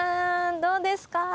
どうですか？